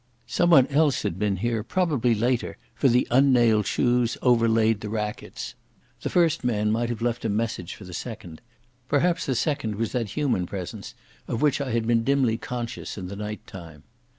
Someone else had been here, probably later, for the un nailed shoes overlaid the rackets. The first man might have left a message for the second. Perhaps the second was that human presence of which I had been dimly conscious in the night time.